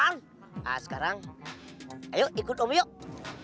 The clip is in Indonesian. nah sekarang ayo ikut dong yuk